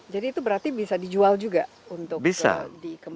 jadi itu berarti bisa dijual juga untuk dikembangkan